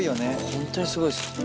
本当にすごいっす。